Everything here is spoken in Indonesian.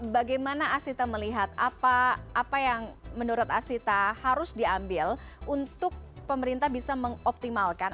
bagaimana asita melihat apa yang menurut asita harus diambil untuk pemerintah bisa mengoptimalkan